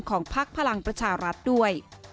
ของภาคพลังประชารัฐด้วย